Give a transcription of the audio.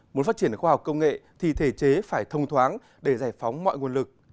muốn phát triển khoa học công nghệ thì thể chế phải thông thoáng để giải phóng mọi nguồn lực